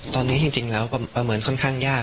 ตอนนี้จริงแล้วก็ประเมินค่อนข้างยาก